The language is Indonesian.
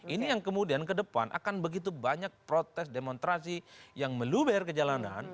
ini yang kemudian ke depan akan begitu banyak protes demonstrasi yang meluber ke jalanan